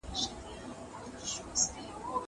زه کولای سم موسيقي اورم.